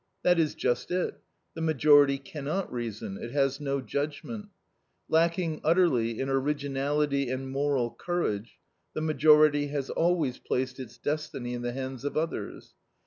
That is just it, the majority cannot reason; it has no judgment. Lacking utterly in originality and moral courage, the majority has always placed its destiny in the hands of others.